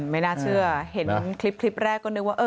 ไม่น่าเชื่อเห็นคลิปแรกก็นึกว่า